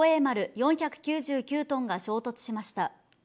４９９トンが衝突しました。